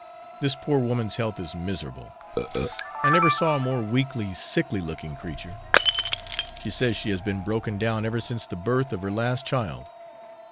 This poor woman's health is miserable; I never saw a more weakly sickly looking creature. She says she has been broken down ever since the birth of her last child.